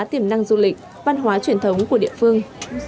tiềm năng du lịch văn hóa truyền thống của địa phương